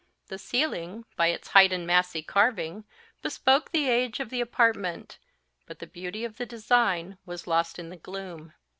The ceiling, by its height and massy carving, bespoke the age of the apartment; but the beauty of the design was lost in the gloom.